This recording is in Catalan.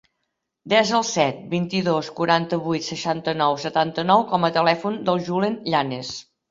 Desa el set, vint-i-dos, quaranta-vuit, seixanta-nou, setanta-nou com a telèfon del Julen Llanes.